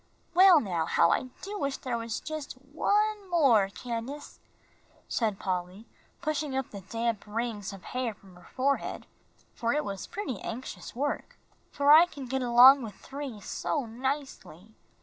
"Well now, how I do wish there was just one more, Candace," said Polly, pushing up the damp rings of hair from her forehead, for it was pretty anxious work, "for I can get along with three so nicely.